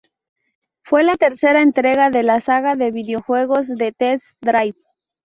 Fue la tercera entrega de la saga de videojuegos de Test Drive.